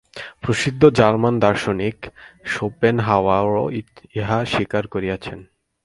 প্রসিদ্ধ জার্মান দার্শনিক শোপেনহাওয়ারও ইহা স্বীকার করিয়াছেন।